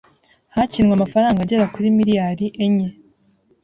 hakinwe amafaranga agera kuri miliyari enye